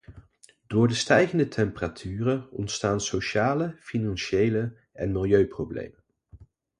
Door de stijgende temperaturen ontstaan sociale, financiële en milieuproblemen.